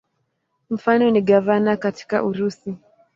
Mfano ni gavana katika Urusi.